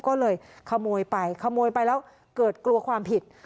ก็เลยขโมยไปขโมยไปแล้วเกิดกลัวความผิด